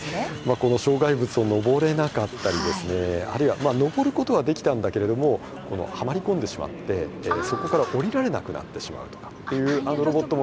この障害物を上れなかったりですねあるいは上ることはできたんだけれどもはまり込んでしまってそこから下りられなくなってしまうとかというロボットもありました。